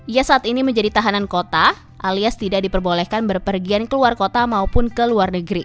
ia saat ini menjadi tahanan kota alias tidak diperbolehkan berpergian keluar kota maupun ke luar negeri